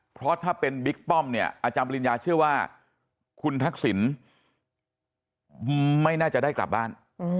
เพราะถ้าเป็นบิ๊กป้อมเนี่ยอาจารย์ปริญญาเชื่อว่าคุณทักษิณไม่น่าจะได้กลับบ้าน